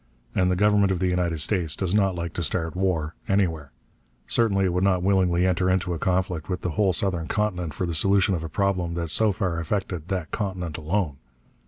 And the government of the United States does not like to start war, anywhere. Certainly it would not willingly enter into a conflict with the whole southern continent for the solution of a problem that so far affected that continent alone.